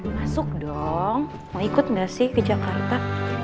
masuk dong mau ikut nggak sih ke jakarta